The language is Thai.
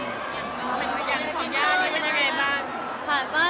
สัญญาณของสัญญาณนี่เป็นไงบ้าง